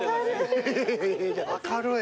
明るい。